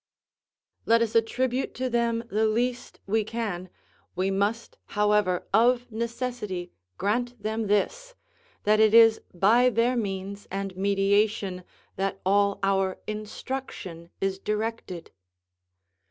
Let us attribute to them the least we can, we must, however, of necessity grant them this, that it is by their means and mediation that all our instruction is directed.